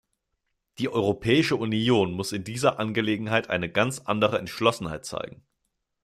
Die Europäische Union muss in dieser Angelegenheit eine ganz andere Entschlossenheit zeigen.